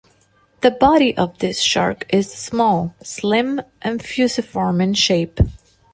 The body of this shark is small, slim, and fusiform in shape.